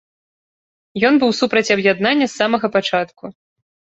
Ён быў супраць аб'яднання з самага пачатку.